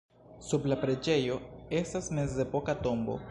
Sub la preĝejo estas mezepoka tombo.